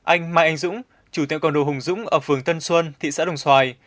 anh mai anh dũng chủ tiệm cầm đồ hùng dũng ở phường tân xuân thị xã đồng xoài